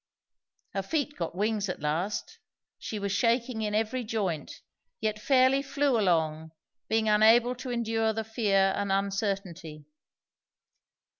Her feet got wings at last; she was shaking in every joint, yet fairly flew along, being unable to endure the fear and uncertainty.